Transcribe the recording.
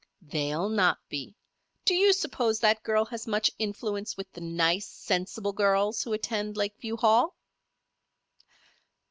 "They'll not be. Do you suppose that girl has much influence with the nice, sensible girls who attend Lakeview Hall?"